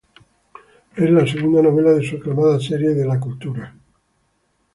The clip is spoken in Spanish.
Es la segunda novela de su aclamada serie de La Cultura.